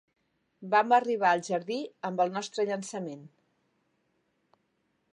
Vam arribar al jardí amb el nostre llançament.